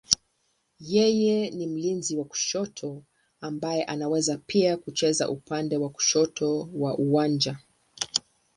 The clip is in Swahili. Yeye ni mlinzi wa kushoto ambaye anaweza pia kucheza upande wa kushoto wa uwanja.